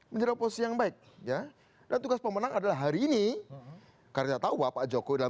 menjadikan oposisi yang baik dan tugas pemenang adalah hari ini karena tidak tahu krenciesatho pak joko ranagam